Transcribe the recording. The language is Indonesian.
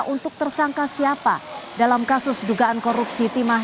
untuk tersangka siapa dalam kasus dugaan korupsi timah